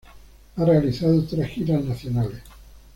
Ha realizado tres giras nacionales.